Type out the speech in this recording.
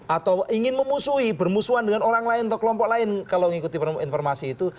atau ingin memusuhi bermusuhan dengan orang lain atau kelompok lain kalau mengikuti informasi itu